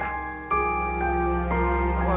aku harus melakukan